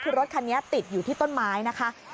คือรถคันนี้ติดอยู่ที่ต้นไม้นะคะ